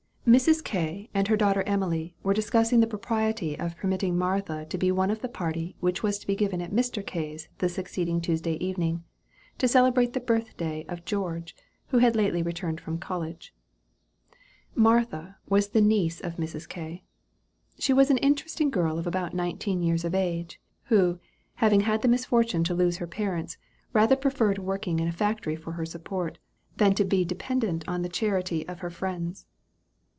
Mrs. K. and her daughter Emily were discussing the propriety of permitting Martha to be one of the party which was to be given at Mr. K.'s the succeeding Tuesday evening, to celebrate the birth day of George, who had lately returned from college. Martha was the niece of Mr. K. She was an interesting girl of about nineteen years of age, who, having had the misfortune to lose her parents, rather preferred working in a factory for her support, than to be dependent on the charity of her friends.